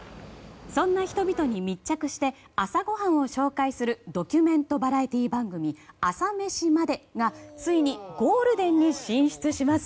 そんな人々に密着して朝ごはんを紹介するドキュメントバラエティー番組「朝メシまで。」がついにゴールデンに進出します。